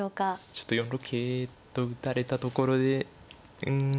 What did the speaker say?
ちょっと４六桂と打たれたところでうんそうですね